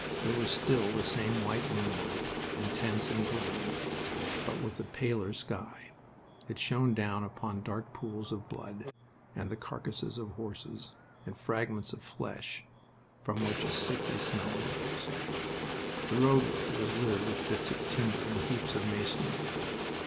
There was still the same white moonlight, intense and glittering, but with a paler sky. It shone down upon dark pools of blood and the carcasses of horses and fragments of flesh, from which a sickly smell rose. The roadway was littered with bits of timber and heaps of masonry.